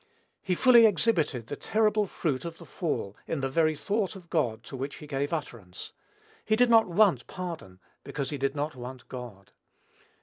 He fully exhibited the terrible fruit of the fall in the very thought of God to which he gave utterance. He did not want pardon, because he did not want God.